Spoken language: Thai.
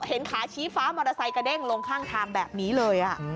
เห็นขาชี้ฟ้ามอเตอร์ไซค์กระเด้งลงข้างทางแบบนี้เลย